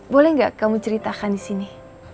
boleh nggak kamu ceritakan di sini